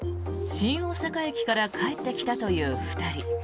新大阪駅から帰ってきたという２人。